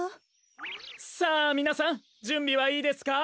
さあみなさんじゅんびはいいですか？